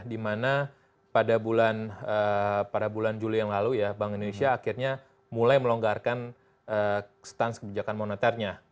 dimana pada bulan juli yang lalu ya bank indonesia akhirnya mulai melonggarkan stans kebijakan moneternya